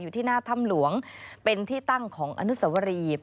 อยู่ที่หน้าถ้ำหลวงเป็นที่ตั้งของอนุสวรี